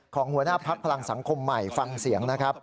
หัวหน้าพักพลังสังคมใหม่ฟังเสียงนะครับ